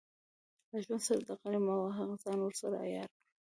له ژوند سره ډغرې مه وهه، ځان ورسره عیار کړه.